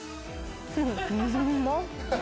うまっ。